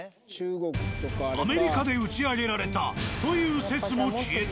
アメリカで打ち上げられたという説も消えた。